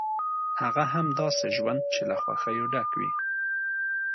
هغه هم داسې ژوند چې له خوښیو ډک وي.